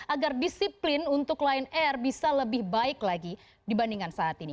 agar disiplin untuk lion air bisa lebih baik lagi dibandingkan saat ini